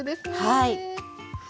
はい。